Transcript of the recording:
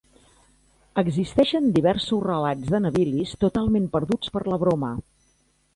Existeixen diversos relats de navilis totalment perduts per la broma.